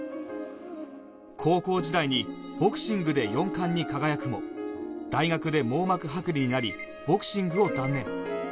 高校時代にボクシングで４冠に輝くも大学で網膜剥離になりボクシングを断念